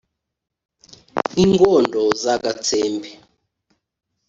nki ngondo za gatsembe,